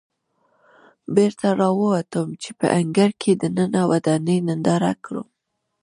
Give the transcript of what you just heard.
بېرته راووتلم چې په انګړ کې دننه ودانۍ ننداره کړم.